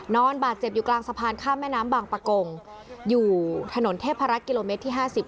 นอนบาดเจ็บอยู่กลางสะพานข้ามแม่น้ำบางปะกงอยู่ถนนเทพรักษ์กิโลเมตรที่๕๐